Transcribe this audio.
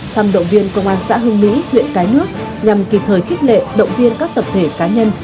thăm động viên công an xã hương mỹ huyện cái nước nhằm kịp thời khích lệ động viên các tập thể cá nhân